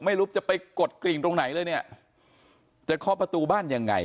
ไม่รู้จะไปกดกริ่งตรงไหนเลยเนี่ยจะเคาะประตูบ้านยังไง